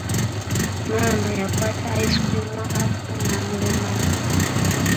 Maama yakwata ice cream wa Aku n'amulumako.